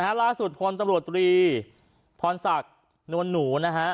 นะฮะล่าสุดพรตรวจรีพรศักดิ์นวลหนูนะฮะ